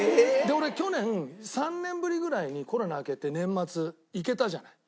俺去年３年ぶりぐらいにコロナ明けて年末行けたじゃない。